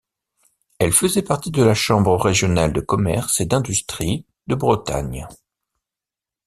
Elle faisait partie de la Chambre régionale de commerce et d'industrie de Bretagne.